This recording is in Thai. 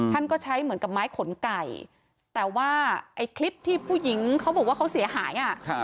ท่านก็ใช้เหมือนกับไม้ขนไก่แต่ว่าไอ้คลิปที่ผู้หญิงเขาบอกว่าเขาเสียหาย